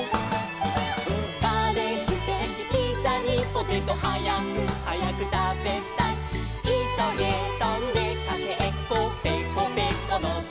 「カレーステーキピザにポテト」「はやくはやくたべたい」「いそげとんでかけっこぺこぺこのコケッコー」